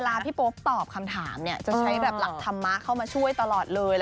พี่โป๊กตอบคำถามเนี่ยจะใช้แบบหลักธรรมะเข้ามาช่วยตลอดเลย